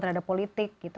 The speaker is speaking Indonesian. terhadap politik gitu